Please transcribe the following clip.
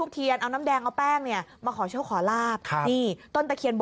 เขียนให้หมดเลยเนี่ยตามเป็ดให้ไว้